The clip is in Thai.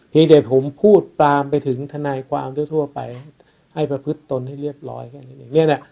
เพียงเดี๋ยวผมพูดปรามไปถึงทนายความทั่วไปให้ประพฤตตนให้เรียบร้อย